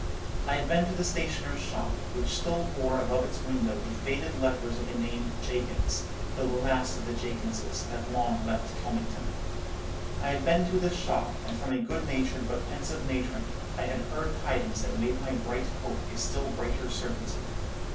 I had been to the stationer's shop, which still bore above its window the faded letters of the name 'Jakins,' though the last of the Jakinses had long left Kylmington. I had been to this shop, and from a good natured but pensive matron I had heard tidings that made my bright hope a still brighter certainty.